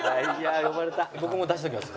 僕も出しておきます。